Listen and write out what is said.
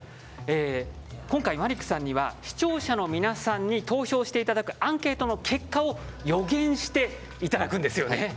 私が代わりに詳しくご説明しますと今回、マリックさんには視聴者の皆さんに投票していただくアンケートの結果を予言していただくんですよね。